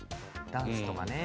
ダンスとかね。